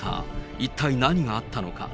一体何があったのか。